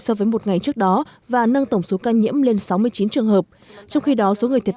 so với một ngày trước đó và nâng tổng số ca nhiễm lên sáu mươi chín trường hợp trong khi đó số người thiệt